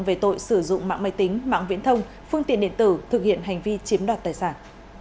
về tội sử dụng mạng máy tính mạng viễn thông phương tiện điện tử thực hiện hành vi chiếm đoạt tài sản